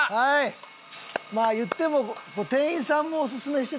まあ言っても店員さんもおすすめしてたし。